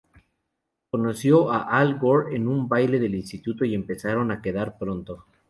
Conoció a Al Gore en un baile del instituto y empezaron a quedar pronto.